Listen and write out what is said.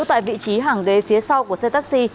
tại vị trí hàng ghế phía sau của xe taxi